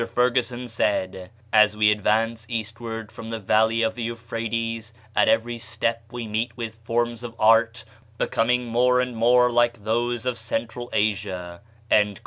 Ferguson said, 'as we advance eastward from the valley of the Euphrates, at every step we meet with forms of art becoming more and more like those of Central America.'"